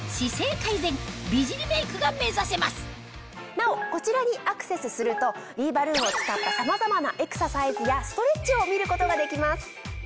なおこちらにアクセスするとビーバルーンを使ったさまざまなエクササイズやストレッチを見ることができます。